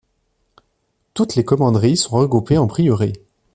Toutes les commanderies sont regroupées en prieurés.